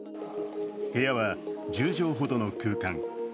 部屋は１０畳ほどの空間。